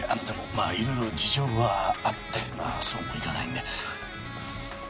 まあいろいろ事情があってまあそうもいかないんで。